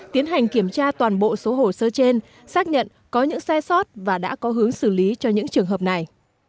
tiến hành kiểm tra toàn bộ số hồ sơ trên xác nhận có những sai sót và đã có hướng xử lý cho những trường hợp này